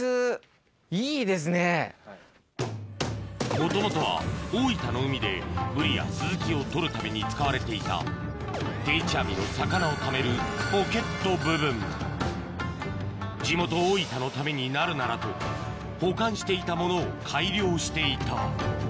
もともとは大分の海でブリやスズキを取るために使われていた定置網の魚をためるポケット部分地元大分のためになるならと保管していたものを改良していた